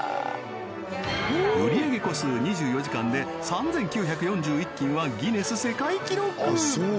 売り上げ個数２４時間で３９４１斤はギネス世界記録！